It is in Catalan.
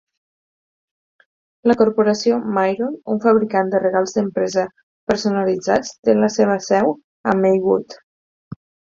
La corporació Myron, un fabricant de regals d'empresa personalitzats, te la seva seu a Maywood.